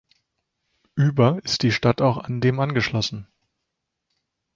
Über ist die Stadt auch an dem angeschlossen.